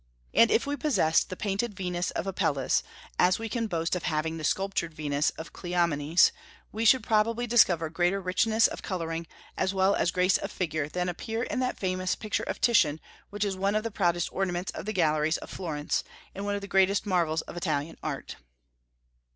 And if we possessed the painted Venus of Apelles, as we can boast of having the sculptured Venus of Cleomenes, we should probably discover greater richness of coloring as well as grace of figure than appear in that famous picture of Titian which is one of the proudest ornaments of the galleries of Florence, and one of the greatest marvels of Italian art.